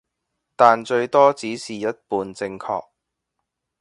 但最多只是一半正確